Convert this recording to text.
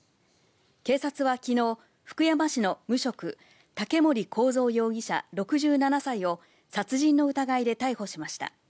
警察は昨日、福山市の無職、竹森幸三容疑者６７歳を殺人の疑いで逮捕しました。